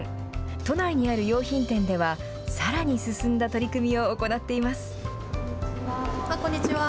都内にある洋品店ではさらに進んだ取り組みをこんにちは。